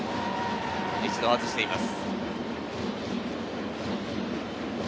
一度外しています。